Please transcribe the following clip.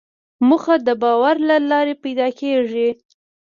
موخه د باور له لارې پیدا کېږي.